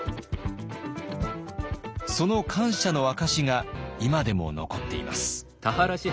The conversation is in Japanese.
その感謝の証しが今でも残っています。